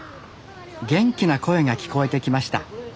元気な声が聞こえてきました。